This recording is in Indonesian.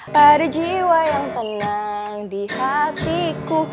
pada jiwa yang tenang di hatiku